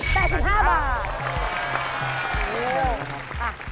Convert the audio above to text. ๘๕บาท